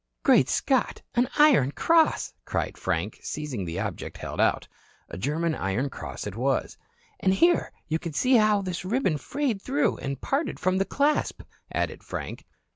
"Great Scott, an Iron Cross," cried Frank, seizing the object held out. A German Iron Cross it was. "And here you can see how this ribbon frayed through and parted from the clasp," added Frank.